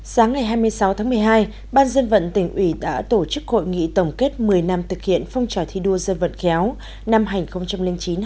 sáng ngày hai mươi sáu tháng một mươi hai ban dân vận tỉnh ủy đã tổ chức hội nghị tổng kết một mươi năm thực hiện phong trào thi đua dân vận khéo năm hai nghìn chín hai nghìn một mươi